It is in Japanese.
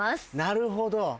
なるほど。